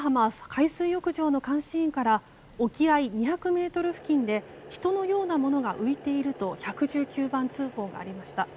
海水浴場の監視員から沖合２００ｍ付近で人のようなものが浮いていると１１９番通報がありました。